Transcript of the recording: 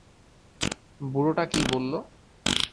বুড়োটা কী বললো?